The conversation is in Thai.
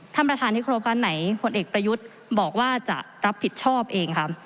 ท่านประธานที่โครงการไหนผลเอกประยุทธ์บอกว่าจะรับผิดชอบเองค่ะ